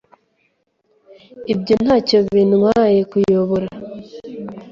Ibyo ntacyo bintwaye_kuyobora